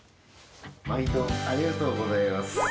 まいどありがとうございます。